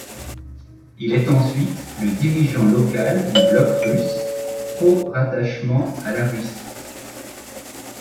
Il est ensuite le dirigeant local du Bloc russe, pro-rattachement à la Russie.